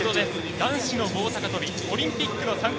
男子の棒高跳びオリンピックの参加